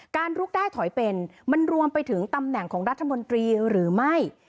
ลุกได้ถอยเป็นมันรวมไปถึงตำแหน่งของรัฐมนตรีหรือไม่